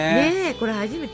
これ初めて。